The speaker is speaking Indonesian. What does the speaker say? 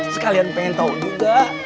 sekalian pengen tau juga